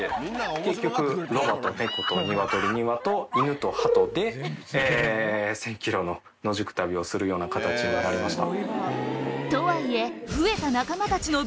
結局ロバと猫と鶏２羽と犬とハトで１０００ｋｍの野宿旅をするような形になりました。